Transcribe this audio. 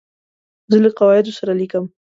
زه له قواعدو سره لیکم.